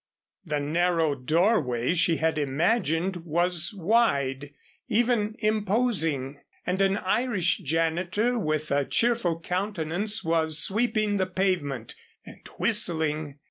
The narrow doorway she had imagined was wide even imposing, and an Irish janitor with a cheerful countenance, was sweeping the pavement and whistling.